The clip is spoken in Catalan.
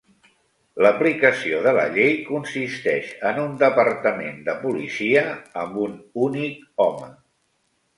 L'aplicació de la llei consisteix en un departament de policia amb un únic home.